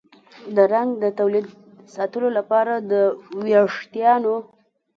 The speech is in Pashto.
د رنګ د تولید ساتلو لپاره د ویښتانو